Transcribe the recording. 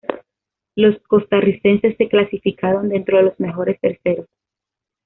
Los costarricenses se clasificaron dentro de los mejores terceros.